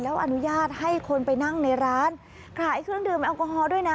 แล้วอนุญาตให้คนไปนั่งในร้านขายเครื่องดื่มแอลกอฮอลด้วยนะ